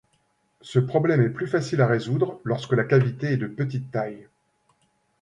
Ce problème est plus facile à résoudre lorsque la cavité est de petite taille.